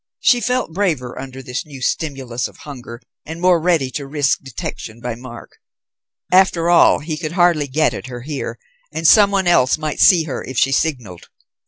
She felt braver under this new stimulus of hunger and more ready to risk detection by Mark. After all, he could hardly get at her here, and someone else might see her if she signalled.